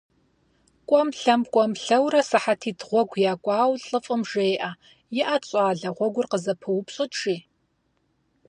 КӀуэм-лъэм, кӀуэм-лъэурэ, сыхьэтитӀ гъуэгу якӀуауэ, лӀыфӀым жеӀэ: - ИӀэт, щӀалэ, гъуэгур къызэпыупщӀыт!- жи.